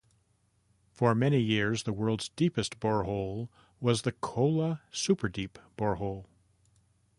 For many years, the world's deepest borehole was the Kola Superdeep Borehole.